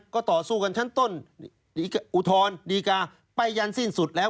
ก็ต่อสู้กันชั้นต้นอุทธรณ์ดีกาไปยันสิ้นสุดแล้ว